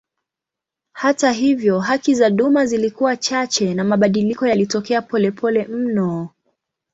Hata hivyo haki za duma zilikuwa chache na mabadiliko yalitokea polepole mno.